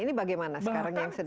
ini bagaimana sekarang yang sedang